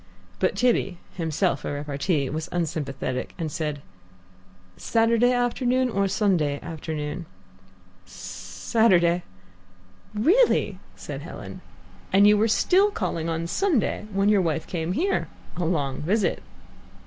But Tibby, himself a repartee, was unsympathetic, and said, "Saturday afternoon or Sunday afternoon?" "S Saturday." "Really!" said Helen; "and you were still calling on Sunday, when your wife came here. A long visit."